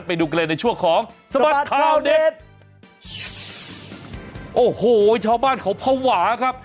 ไปดูกันเลยในช่วงของสบัดข่าวเด็ดโอ้โหชาวบ้านเขาภาวะครับ